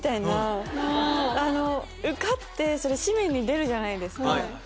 受かって誌面に出るじゃないですか。